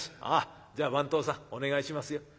「ああじゃあ番頭さんお願いしますよ。